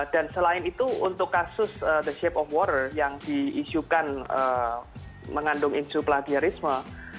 dan selain itu untuk kasus the shape of water yang diisukan mengandung isu plagiarisme